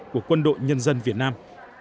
của quân đội nhân dân việt nam